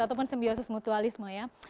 ataupun sembiosis mutualisme ya